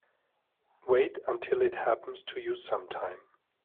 Wait until it happens to you sometime.